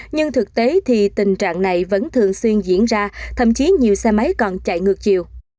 nhưng thực tế thì tình trạng này vẫn thường xuyên diễn ra thậm chí nhiều xe máy còn chạy ngược chiều